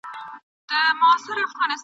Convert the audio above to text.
ایوب خان په هوښیارۍ نه پوهېدی.